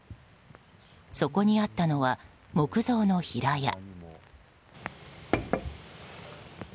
そこにあったのは木造の平屋。